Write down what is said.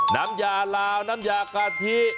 น้ำยาลาวน้ำยากะทิ